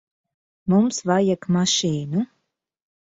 Mums vajag mašīnu.